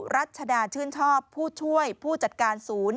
รัชดาชื่นชอบผู้ช่วยผู้จัดการศูนย์